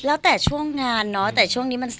แล้วแต่ช่วงงานเนอะ